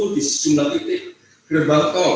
di sejumlah titik gerbang tol